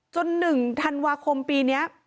จนหนึ่งธันวาคมปีเนี้ย